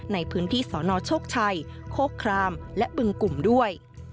ในพื้นที่สนโชคชัยโคครามและบึงกลุ่มด้วย